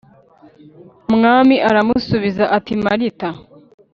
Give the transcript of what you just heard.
Umwami aramusubiza ati Marita